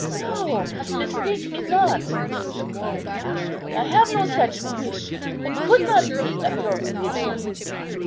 "No, mistake me not," she cried passionately, "I have no such wish. I could not be of your religion.